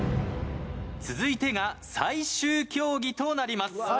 続いてが最終競技となります。